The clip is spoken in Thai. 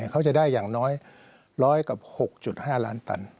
เขาจะได้อย่างน้อย๑๐๐กับ๖๕ล้านตัน